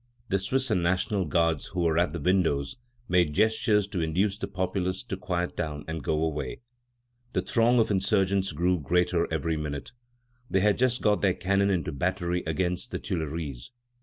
The Swiss and National Guards who were at the windows made gestures to induce the populace to quiet down and go away. The throng of insurgents grew greater every minute. They had just got their cannon into battery against the Tuileries.